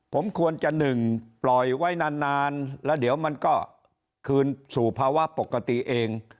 ผมควรจะหนึ่งปล่อยไว้นานแล้วเดี๋ยวมันก็คืนสู่ภาวะปกติเอง